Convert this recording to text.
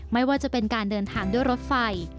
ไม่ว่าจะเป็นการเดินทางด้วยรถไฟ